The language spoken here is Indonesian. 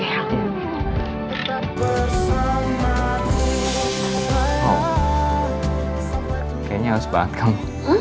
kayaknya haus banget kamu